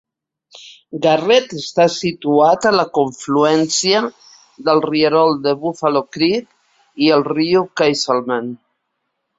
Garrett està situat a la confluència del rierol de Buffalo Creek i el riu Casselman.